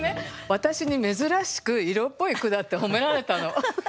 私に珍しく色っぽい句だって褒められたの。